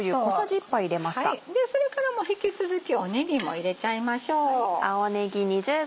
それから引き続きねぎも入れちゃいましょう。